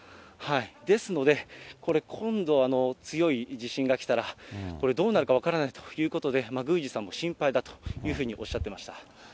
ですので、これ、今度、強い地震が来たら、これどうなるか分からないということで、宮司さんも心配だというふうにおっしゃってました。